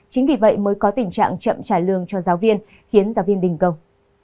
chính vì vậy mới có tình trạng chậm trải lương cho giáo viên khiến giáo viên bình công